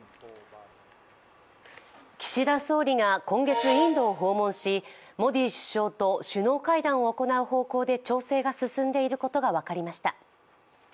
岸田総理が今月インドを訪問し、モディ首相と首脳会談を行う方向で調整が進んでいることが分かりました。